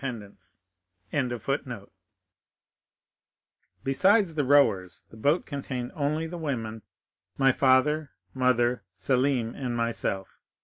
14 Besides the rowers, the boat contained only the women, my father, mother, Selim, and myself.